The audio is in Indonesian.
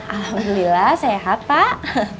alhamdulillah sehat pak